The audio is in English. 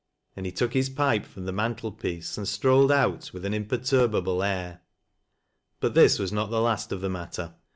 And he took his pipe from the mantel piece and strolled out with an imperturbable air. But this was not the last of the matter.